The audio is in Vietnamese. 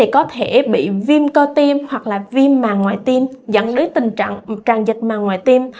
có thể bị viêm cơ tim hoặc là viêm màng ngoại tim dẫn đến tình trạng tràn dịch màng ngoài tim